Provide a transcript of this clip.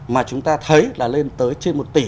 mà chúng ta thấy là lên tới trên một tỷ